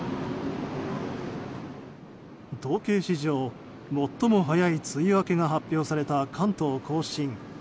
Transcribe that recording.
統計史上、最も早い梅雨明けが発表され関東・甲信。